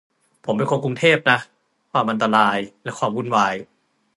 ผมเป็นคนกรุงเทพนะ ความอันตราย และความวุ่นวาย